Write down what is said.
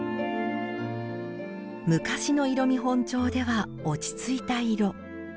昔の色見本帳では落ち着いた色。